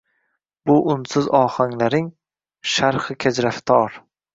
bu unsiz ohlaring – sharhi kajraftor.